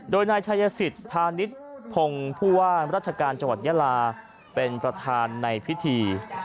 โดยนายชายศิษฐ์พานิษฐ์พงฤวารัชการจังหวัดยะลาเป็นประธานในพิธี